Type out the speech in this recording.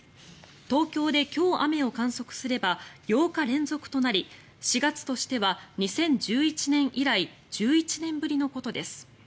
東京で今日雨を観測すれば８日連続となり４月としては２０１１年以来１１年ぶりのことです。